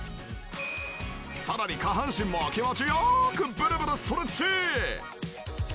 さらに下半身も気持ち良くブルブルストレッチ！